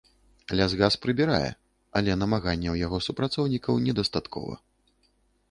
Лясгас прыбірае, але намаганняў яго супрацоўнікаў недастаткова.